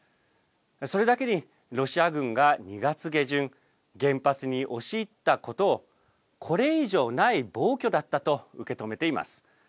それだけにロシア軍が２月下旬、原発に押し入ったことを、これ以上ない暴挙だったと受け止めています。